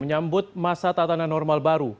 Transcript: menyambut masa tatanan normal baru